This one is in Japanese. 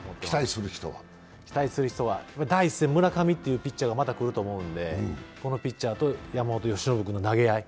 期待する人は第１戦、村上というピッチャーがまた来ると思うのでこのピッチャーと山本由伸君の投げ合い。